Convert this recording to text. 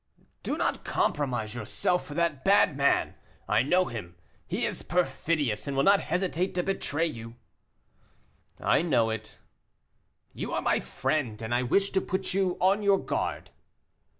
"Do not compromise yourself for that bad man; I know him: he is perfidious, and will not hesitate to betray you." "I know it." "You are my friend, and I wish to put you on your guard."